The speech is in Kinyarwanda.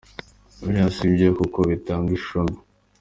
Biriya sibyo kuko bitanga ishusho mbi”.